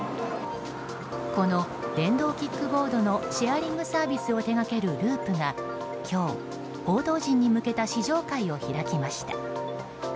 この電動キックボードのシェアリングサービスを手がけるＬｕｕｐが今日、報道陣に向けた試乗会を開きました。